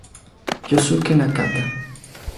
Yosuke Nakata